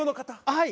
はい。